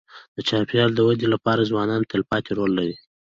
د چاپېریال د ودې لپاره ځوانان تلپاتې رول لري.